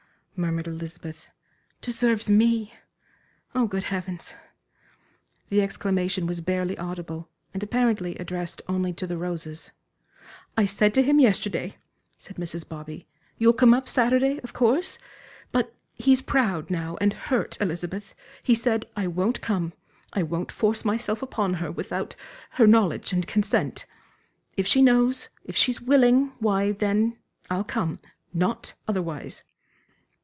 murmured Elizabeth, "deserves me! Oh, good Heavens!" The exclamation was barely audible, and apparently addressed only to the roses. "I said to him yesterday," said Mrs. Bobby, "'You'll come up Saturday, of course?' But he's proud now and hurt, Elizabeth he said: 'I won't come, I won't force myself upon her without her knowledge and consent. If she knows, if she's willing, why, then, I'll come not otherwise.'"